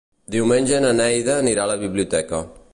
Diumenge na Neida anirà a la biblioteca.